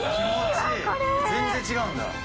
全然違うんだ。